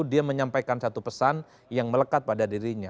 dia menyampaikan satu pesan yang melekat pada dirinya